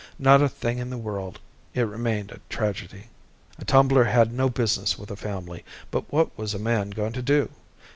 Not a thing in the world. It remained a tragedy. A tumbler had no business with a family, but what was a man going to do?